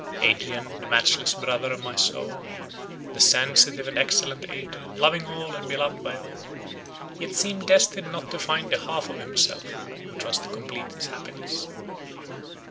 Adrian, the matchless brother of my soul, the sensitive and excellent Adrian, loving all, and beloved by all, yet seemed destined not to find the half of himself, which was to complete his happiness.